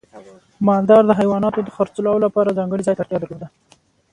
مالدار د حیواناتو د خرڅلاو لپاره ځانګړي ځای ته اړتیا درلوده.